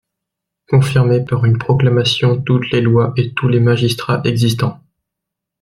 Confirmer par une proclamation toutes les lois et tous les magistrats existans.